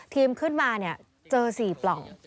ขึ้นมาเจอ๔ปล่อง